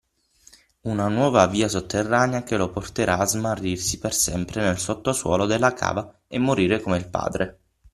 una nuova via sotterranea che lo porterà a smarrirsi per sempre nel sottosuolo della cava e morire come il padre.